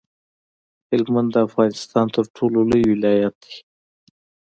هلمند د افغانستان تر ټولو لوی ولایت دی